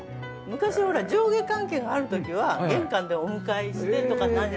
昔ほら上下関係がある時は玄関でお迎えしてとかってあるじゃない。